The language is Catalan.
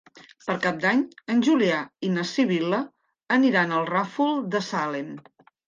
Per Cap d'Any en Julià i na Sibil·la aniran al Ràfol de Salem.